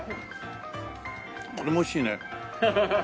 これもおいしいね。